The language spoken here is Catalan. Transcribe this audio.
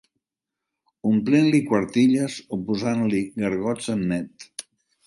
Omplint-li quartilles o posant-li gargots en net